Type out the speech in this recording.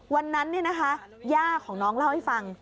วันนั้นเนี่ยนะคะย่าของน้องเล่าให้ฟัง